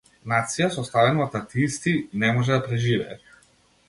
Нација составена од атеисти не може да преживее.